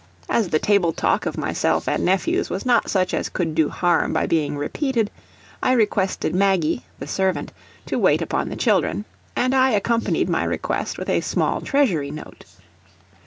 As the table talk of myself and nephews was not such as could do harm by being repeated, I requested Maggie, the servant, to wait upon the children, and I accompanied my request with a small treasury note.